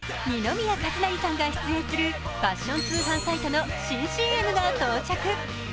二宮和也さんが出演するファッション通販サイトの新ＣＭが到着。